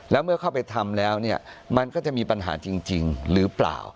แล้วเมื่อเข้าไปทำแล้วเนี่ยมันก็จะมีปัญหาจริงหรือเปล่า